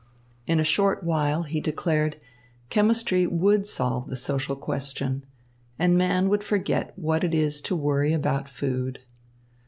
In a short while, he declared, chemistry would solve the social question, and man would forget what it is to worry about food.